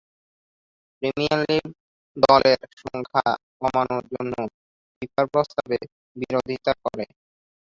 Premier league দলের সংখ্যা কমানোর জন্য ফিফার প্রস্তাবের বিরোধিতা করে।